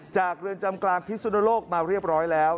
เรือนจำกลางพิสุนโลกมาเรียบร้อยแล้ว